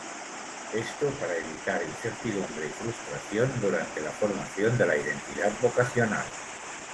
Esto para evitar incertidumbre y frustración, durante la formación de la identidad vocacional.